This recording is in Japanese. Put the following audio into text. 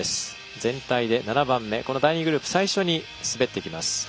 全体で７番目、第２グループ最初に滑っていきます。